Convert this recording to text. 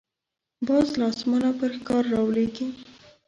باز له اسمانه پر ښکار راولويږي